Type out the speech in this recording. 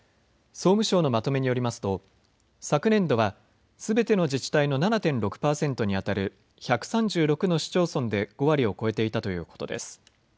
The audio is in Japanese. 総務省のまとめによりますと昨年度はすべての自治体の７．６％にあたる１３６の市町村で５割を超えていたということです。